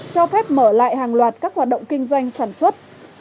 cho phép mở lại hàng loạt các hoạt động kinh doanh sản xuất